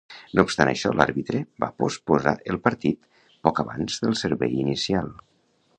No obstant això, l'àrbitre va posposar el partit poc abans del servei inicial.